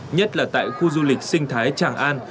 nhất là tại khu du lịch sinh thái tràng an